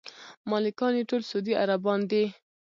مالکان یې ټول سعودي عربان دي.